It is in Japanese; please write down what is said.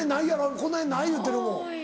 この辺ない言うてるもん。